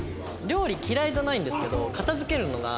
料理嫌いじゃないんですけど片付けるのが。